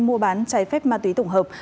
mua bán trái phép ma túy tổng hợp